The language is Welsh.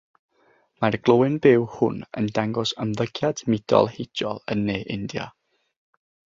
Mae'r glöyn byw hwn yn dangos ymddygiad mudol heidiol yn ne India.